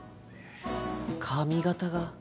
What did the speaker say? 髪形が。